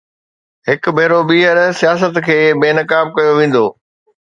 هڪ ڀيرو ٻيهر سياست کي بي نقاب ڪيو ويندو؟